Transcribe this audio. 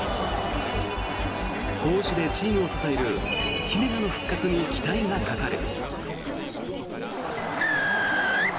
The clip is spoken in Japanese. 攻守でチームを支える姫野の復活に期待がかかる。